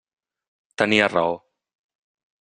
Tenia raó.